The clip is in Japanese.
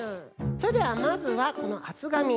それではまずはこのあつがみから。